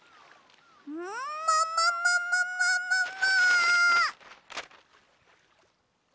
ももももももも！